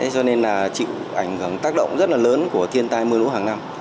cho nên là chịu ảnh hưởng tác động rất là lớn của thiên tai mưa lũ hàng năm